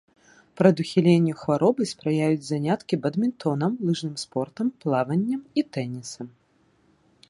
Прадухіленню хваробы спрыяюць заняткі бадмінтонам, лыжным спортам, плаваннем і тэнісам.